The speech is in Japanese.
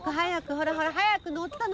ほらほら早く乗った乗った。